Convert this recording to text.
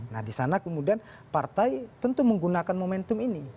nah di sana kemudian partai tentu menggunakan momentum ini